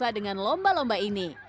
dengan lomba lomba ini